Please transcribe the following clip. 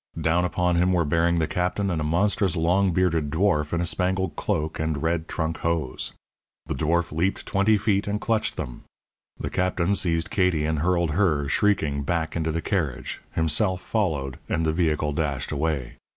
Down upon him were bearing the Captain and a monstrous long bearded dwarf in a spangled cloak and red trunk hose. The dwarf leaped twenty feet and clutched them. The Captain seized Katie and hurled her, shrieking, back into the carriage, himself followed, and the vehicle dashed away.